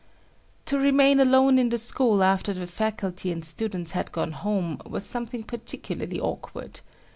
To remain alone in the school after the faculty and students had gone home, was something particularly awkward.